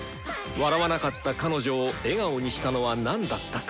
笑わなかった彼女を笑顔にしたのは何だったか。